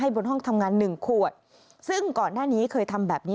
บนห้องทำงานหนึ่งขวดซึ่งก่อนหน้านี้เคยทำแบบนี้